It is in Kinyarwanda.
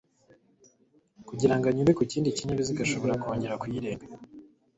kugirango anyure ku kindi kinyabiziga ashobora kwongera kuyirenga